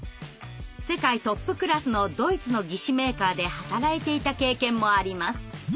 世界トップクラスのドイツの義肢メーカーで働いていた経験もあります。